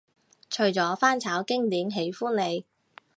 除咗翻炒經典喜歡你